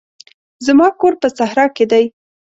زما کور په صحرا کښي دی.